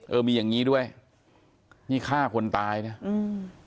เออมีอย่างงี้ด้วยนี่ฆ่าคนตายนะอืม